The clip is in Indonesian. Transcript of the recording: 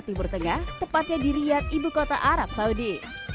timur tengah tepatnya di riyadh ibukota arab saudi